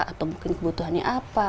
atau mungkin kebutuhannya apa